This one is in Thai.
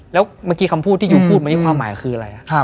แล้วเมื่อกี้คำพูดที่ยูพูดมานี่ความหมายคืออะไร